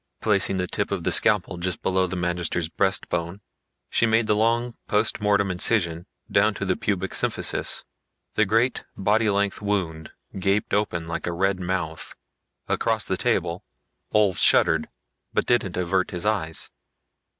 Placing the tip of the scalpel just below the magter's breast bone, she made the long post mortem incision down to the pubic symphysis. The great, body length wound gaped open like a red mouth. Across the table Ulv shuddered but didn't avert his eyes.